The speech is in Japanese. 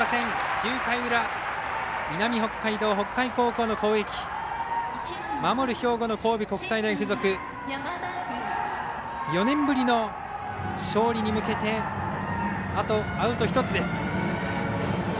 ９回裏、南北海道、北海高校守る兵庫の神戸国際大付属４年ぶりの勝利に向けてあとアウト１つです。